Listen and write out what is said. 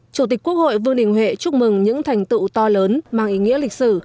chủ tịch quốc hội vương đình huệ chúc mừng những thành tựu to lớn mang ý nghĩa lịch sử